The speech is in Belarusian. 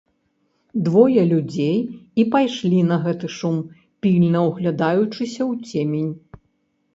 Двое людзей і пайшлі на гэты шум, пільна ўглядаючыся ў цемень.